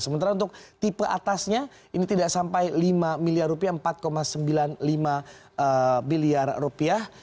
sementara untuk tipe atasnya ini tidak sampai lima miliar rupiah empat sembilan puluh lima miliar rupiah